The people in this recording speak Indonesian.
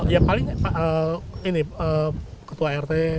ya paling ini ketua rt